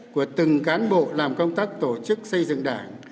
của từng cán bộ làm công tác tổ chức xây dựng đảng